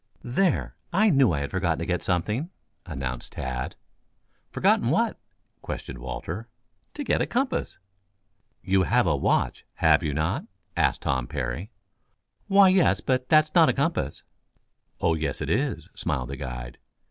"There, I knew I had forgotten to get something," announced Tad. "Forgotten what?" questioned Walter. "To get a compass." "You have a watch, have you not?" asked Tom Parry. "Why, yes; but that's not a compass." "Oh, yes, it is," smiled the guide.